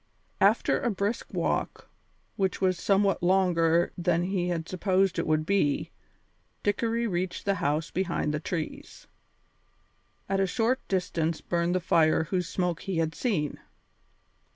After a brisk walk, which was somewhat longer than he had supposed it would be, Dickory reached the house behind the trees. At a short distance burned the fire whose smoke he had seen.